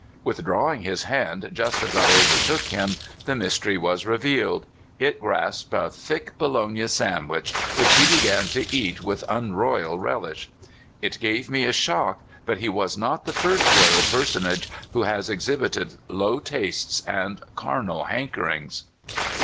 Withdrawing his hand just as I overtook him, the mystery was revealed. It grasped a thick Bologna sausage, which he began to eat with unroyal relish. It gave me a shock, but he was not the first royal personage who has exhibited low tastes and carnal hankerings.